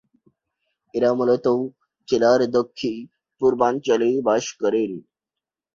এঁরা মূলত জেলার দক্ষি-পূর্বাঞ্চলে বাস করেন।